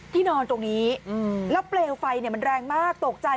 ที่นอนตรงนี้อืมแล้วเปลวไฟเนี่ยมันแรงมากตกใจ